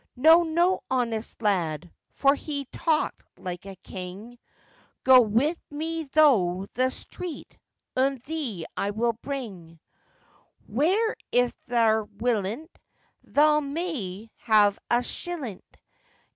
'No, no, honest lad' (for he tawked like a king), 'Go wi' meh thro' the street, un thee I will bring Where, if theaw'rt willink, theaw may ha'e a shillink.